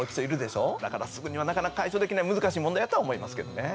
だからすぐにはなかなか解消できない難しい問題やとは思いますけどね。